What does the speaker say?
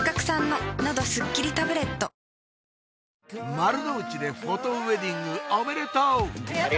丸の内でフォトウエディングおめでとう！